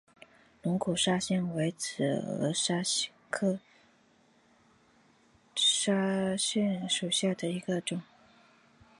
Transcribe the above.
龙骨砂藓为紫萼藓科砂藓属下的一个种。